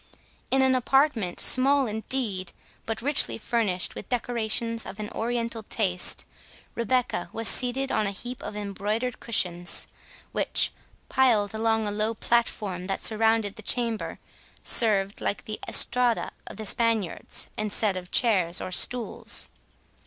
In an apartment, small indeed, but richly furnished with decorations of an Oriental taste, Rebecca was seated on a heap of embroidered cushions, which, piled along a low platform that surrounded the chamber, served, like the estrada of the Spaniards, instead of chairs and stools.